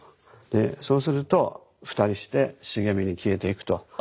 そうすると２人して茂みに消えていくと。